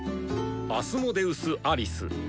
アスモデウス・アリス。